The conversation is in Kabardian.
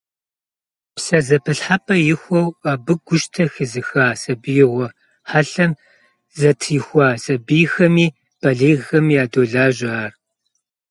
ПсэзэпылъхьэпӀэ ихуэу, абы гущтэ хэзыха, сабиигъуэ хьэлъэм зэтрихуа сабийхэми балигъхэми ядолажьэ ар.